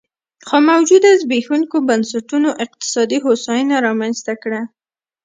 خو موجوده زبېښونکو بنسټونو اقتصادي هوساینه رامنځته کړه